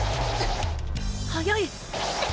速い！